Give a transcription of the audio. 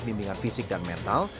bimbingan fisik dan mental